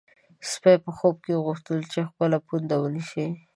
سپی په خوب کې غوښتل چې خپل پونده ونیسي.